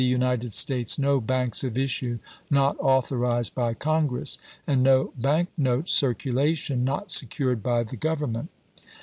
United States no banks of issue not authorized by Con gress, and no bank note circulation not secured by the Government.